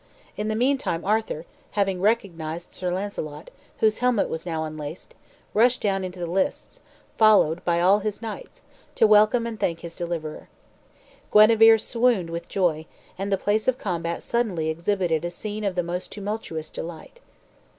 In the meantime Arthur, having recognized Sir Launcelot, whose helmet was now unlaced, rushed down into the lists, followed by all his knights, to welcome and thank his deliverer. Guenever swooned with joy, and the place of combat suddenly exhibited a scene of the most tumultuous delight.